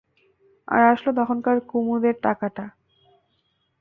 আর আসল তখনকার কুমুদের টাকাটা।